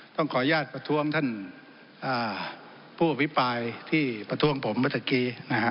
ต้องขออนุญาตประท้วงท่านผู้อภิปรายที่ประท้วงผมเมื่อตะกี้นะฮะ